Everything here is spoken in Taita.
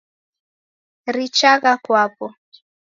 Richagha kwapo